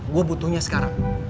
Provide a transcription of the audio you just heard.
gue butuhnya sekarang